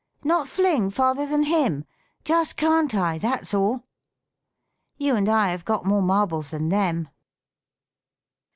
" Not fling farther than him? just can't I, that's all !" "You and I have got more marbles than the/n."